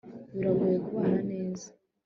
biragoye kubana neza